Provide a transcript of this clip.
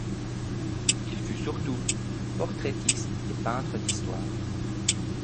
Il fut surtout portraitiste et peintre d'histoire.